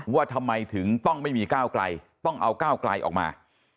ว่าทำไมถึงต้องไม่มีก้าวไกลต้องเอาก้าวไกลออกมา